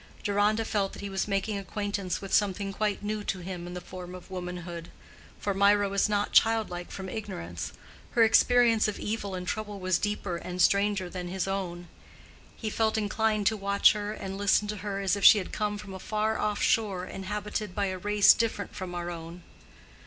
Deronda felt that he was making acquaintance with something quite new to him in the form of womanhood. For Mirah was not childlike from ignorance: her experience of evil and trouble was deeper and stranger than his own. He felt inclined to watch her and listen to her as if she had come from a far off shore inhabited by a race different from our own.